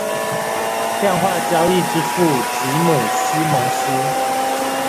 量化交易之父吉姆西蒙斯